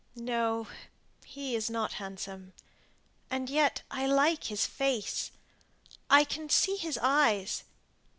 "No; he is not handsome. And yet I like his face. I can see his eyes.